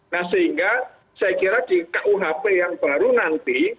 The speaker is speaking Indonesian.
nah sehingga saya kira di kuhp yang baru nanti